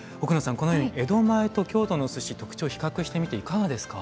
このように江戸前と京都の寿司特徴比較してみていかがですか？